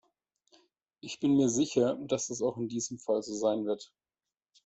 Ich bin mir sicher, dass das auch in diesem Fall so sein wird.